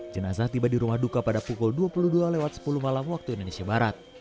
jenazah tiba di rumah duka pada pukul dua puluh dua sepuluh malam waktu indonesia barat